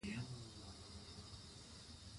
لوی داریوش د ایران د هخامنشي کورنۍ یو مشهور پادشاه دﺉ.